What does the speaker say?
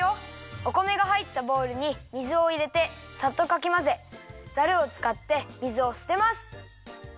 お米がはいったボウルに水をいれてサッとかきまぜザルをつかって水をすてます。